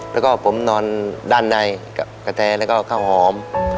แล้วก็ผมนอนด้านในกับกะแตแล้วก็ข้าวหอม